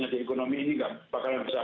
di ekonomi ini gak bakalan bisa